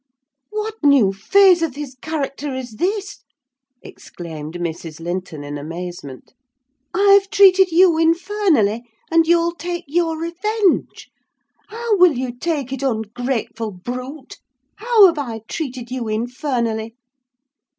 "What new phase of his character is this?" exclaimed Mrs. Linton, in amazement. "I've treated you infernally—and you'll take your revenge! How will you take it, ungrateful brute? How have I treated you infernally?"